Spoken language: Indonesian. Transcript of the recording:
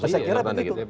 saya kira begitu